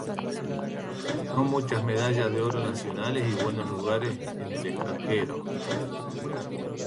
Ganó muchas medallas de oro nacionales y buenos lugares en el extranjero.